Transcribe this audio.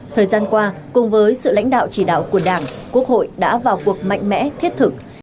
thời gian qua cùng với sự lãnh đạo chỉ đạo của đảng quốc hội đã vào cuộc mạnh mẽ thiết thực